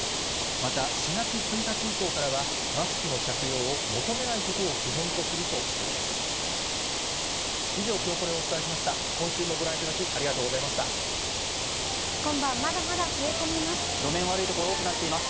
また、４月１日以降からは、マスクの着用を求めないことを基本とするとしています。